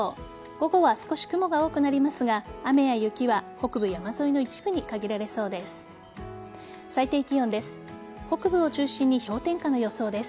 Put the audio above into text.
午後は少し雲が多くなりますが雨や雪は北部、山沿いの一部に限られそうです。